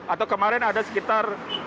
atau kemarin ada sekitar